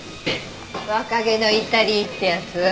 若気の至りってやつ？